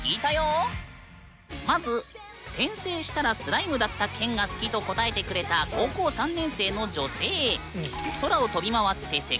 まず「転生したらスライムだった件」が好きと答えてくれた高校３年生の女性。